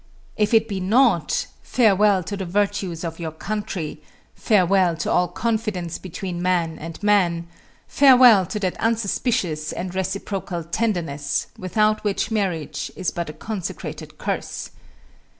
If it be not, farewell to the virtues of your country; farewell to all confidence between man and man; farewell to that unsuspicious and reciprocal tenderness, without which marriage is but a consecrated curse.